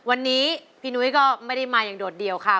วันนี้พี่นุ้ยก็ไม่ได้มาอย่างโดดเดี่ยวค่ะ